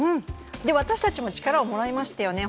私たちも力をもらいましたよね。